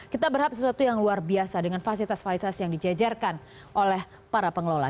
kita berharap sesuatu yang luar biasa dengan fasilitas fasilitas yang dijajarkan oleh para pengelola